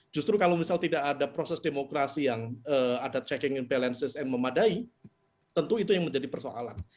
justru kalau misal tidak ada proses demokrasi yang ada checking and balances yang memadai tentu itu yang menjadi persoalan